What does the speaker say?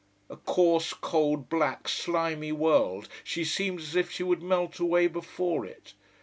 A coarse, cold, black slimy world, she seems as if she would melt away before it.